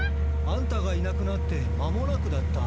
あんたがいなくなって間もなくだった。